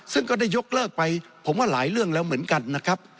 ซึ่งก็ได้ยกเลิกไปผมว่าหลายเรื่องแล้วเหมือนกันนะครับ